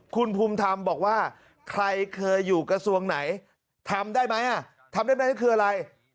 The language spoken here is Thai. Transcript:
คุณภูมิธรรมบอกว่าใครเคยอยู่กระทรวงไหนทำได้ไหมทำได้ไหมคืออะไร